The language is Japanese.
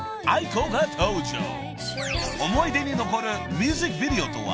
［思い出に残るミュージックビデオとは］